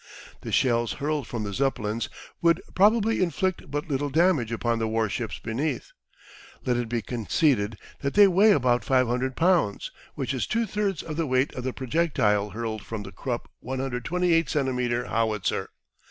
The shells hurled from the Zeppelins would probably inflict but little damage upon the warships beneath. Let it be conceded that they weigh about 500 pounds, which is two thirds of the weight of the projectile hurled from the Krupp 128 centimetre howitzer.